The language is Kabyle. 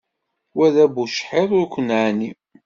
Wa d abucḥiḍ ur ken-neɛni.